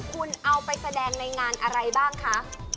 คุณเอาไปแสดงในงานอะไรบ้างคะ